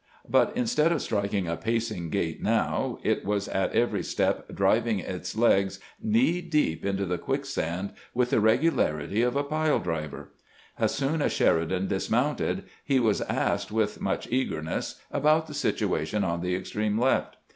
But instead of striking a pacing gait now, it was at every step driving its legs knee deep into the quicksand with the regularity of a pile driver. As soon as Sheridan dismounted he was asked with much eagerness about the situation on the extreme left.